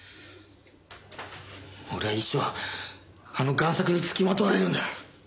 俺は一生あの贋作につきまとわれるんだ。